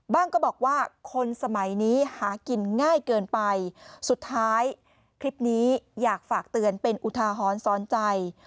ก็บอกว่าคนสมัยนี้หากินง่ายเกินไปสุดท้ายคลิปนี้อยากฝากเตือนเป็นอุทาหรณ์สอนใจ